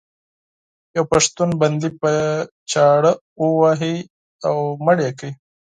یو پښتون بندي په چاړه وواهه او مړ یې کړ.